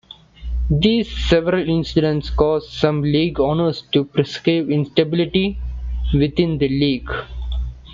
These several incidents caused some league owners to perceive instability within the league.